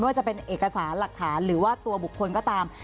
ว่าจะเป็นเอกสารหลักฐานหรือว่าตัวบุคคลก็ตาม